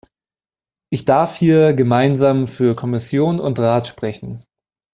Ich darf hier gemeinsam für Kommission und Rat sprechen.